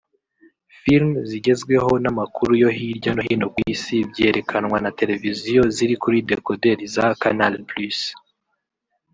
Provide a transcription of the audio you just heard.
film zigezweho n’amakuru yo hirya no hino ku Isi byerekanwa na televiziyo ziri kuri dekoderi za Canal+